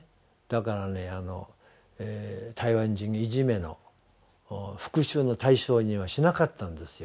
だからね台湾人いじめの復讐の対象にはしなかったんですよ。